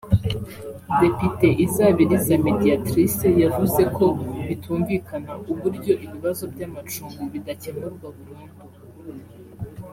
Depite Izabiriza Mediatrice yavuze ko bitumvikana uburyo ibibazo by’amacumbi bidakemurwa burundu